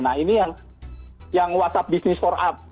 nah ini yang whatsapp bisnis for up